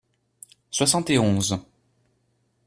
Soixante et onze.